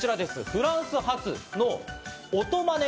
フランス発の音まね